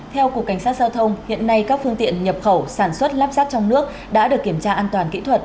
theo cục cảnh sát giao thông hiện nay các phương tiện nhập khẩu sản xuất lắp ráp trong nước đã được kiểm tra an toàn kỹ thuật